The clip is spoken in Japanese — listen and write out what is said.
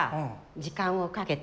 時間かけて。